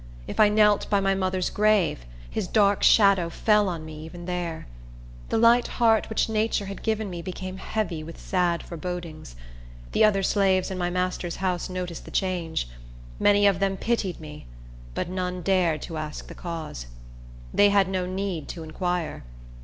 If I knelt by my mother's grave, his dark shadow fell on me even there. The light heart which nature had given me became heavy with sad forebodings. The other slaves in my master's house noticed the change. Many of them pitied me; but none dared to ask the cause. They had no need to inquire.